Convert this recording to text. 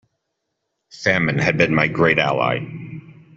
Famine had been my great ally.